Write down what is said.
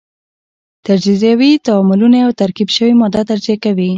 تجزیوي تعاملونه یوه ترکیب شوې ماده تجزیه کوي.